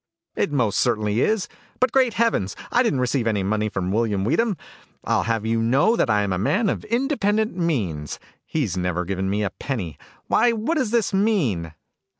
"It most certainly is! But, great heavens, I didn't receive any money from William Weedham. I'll have you know that I am a man of independent means. He's never given me a penny. Why, what does this mean?"